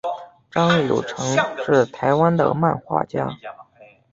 张友诚是台湾的漫画家。